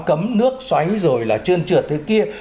cấm nước xoáy rồi là trơn trượt tới kia